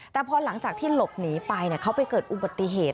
แต่พอหลังจากที่หลบหนีไปเขาไปเกิดอุบัติเหตุ